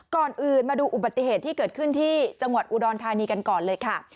ก่อนอื่นมาดูอุบัติเหตุที่เกิดขึ้นที่จังหวัดอุดรธานีกันก่อนเลยค่ะ